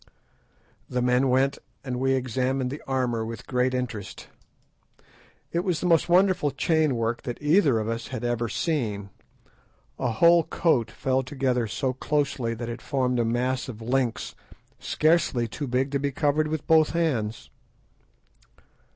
The men went, and we examined the armour with great interest. It was the most wonderful chain work that either of us had ever seen. A whole coat fell together so closely that it formed a mass of links scarcely too big to be covered with both hands.